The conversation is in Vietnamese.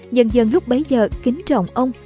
nhân dân lúc bấy giờ kính trọng ông